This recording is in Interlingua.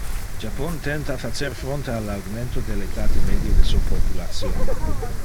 Japon tenta facer fronte al augmento del etate medie de su population.